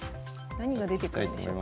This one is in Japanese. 何が出てくるんでしょう。